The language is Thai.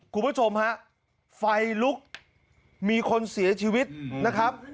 คุณผู้ชมฮะไฟลุกมีคนเสียชีวิตนะครับ